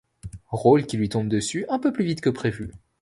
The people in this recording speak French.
Rôle qui lui tombe dessus un peu plus vite que prévu.